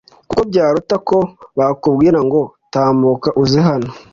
kuko byaruta ko bakubwira ngo tambuka uze hano